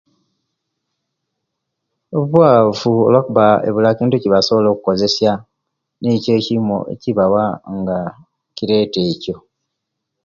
Obwaavu olwokuba ebula kintu ekye'basobola okukozesya nikyo ekimu ekibawa nga kireta ekyo.